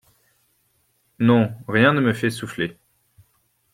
Non, rien ne me fait souffler.